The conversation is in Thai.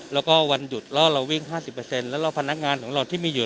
แล้วก็วันหยุดเราเราวิ่งห้าสิบเปอร์เซ็นต์แล้วเราพนักงานของเราที่มีหยุด